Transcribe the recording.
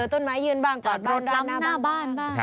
ต้นไม้ยื่นบ้างกอดรถลำหน้าบ้าน